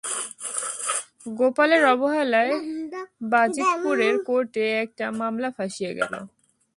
গোপালের অবহেলায় বাজিতপুরের কোর্টে একটা মামলা ফাঁসিয়া গেল।